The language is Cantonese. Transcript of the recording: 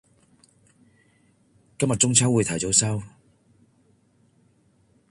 今日中秋會提早收